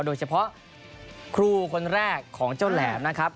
โดยเฉพาะครูคนแรกของเจ้าแหลมนะครับ